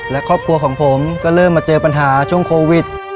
และครอบครัวของผมก็เริ่มมาเจอปัญหาช่วงโควิด